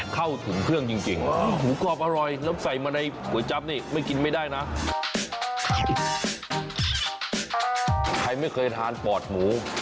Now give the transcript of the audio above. กินข้นช่วงจะหมดความ